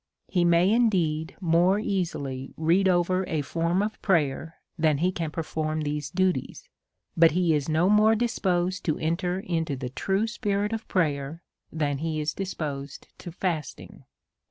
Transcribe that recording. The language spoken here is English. He may, indeed, more easily read over a form of prayer than he can perform these duties ; but he is no more disposed to enter into the true spirit of prayer than he is disposed to fasting